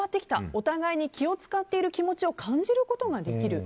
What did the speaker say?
お互いに気を使っている気持ちを感じることができる。